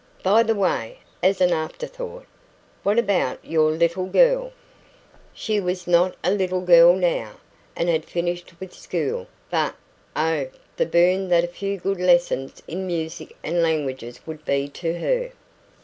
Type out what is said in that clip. "By the way" as an after thought "what about your little girl?" She was not a little girl now, and had finished with school; but, oh, the boon that a few good lessons in music and languages would be to her!